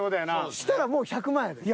そしたらもう１００万やで。